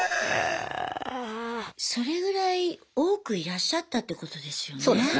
それぐらい多くいらっしゃったってことですよね。